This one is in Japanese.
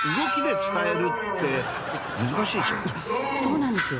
そうなんですよ。